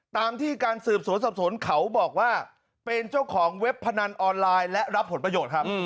ตามที่การสืบสวนสอบสวนเขาบอกว่าเป็นเจ้าของเว็บพนันออนไลน์และรับผลประโยชน์ครับ